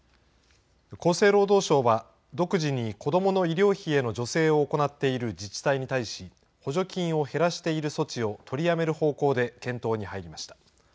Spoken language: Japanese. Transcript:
厚生労働省は、独自に子どもの医療費への助成を行っている自治体に対し、補助金を減らしている措置を取りやめる方向で検討に入りました。